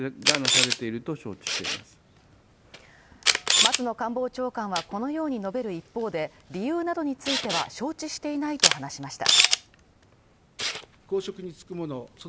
松野官房長官はこのように述べる一方で、理由などについては承知していないと話しました。